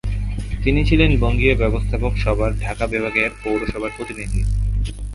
তিনি ছিলেন বঙ্গীয় ব্যবস্থাপক সভার ঢাকা বিভাগের পৌরসভা প্রতিনিধি।